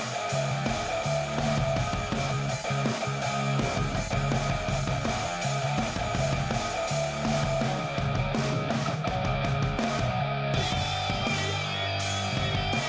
โปรดติดตามตอนต่อไป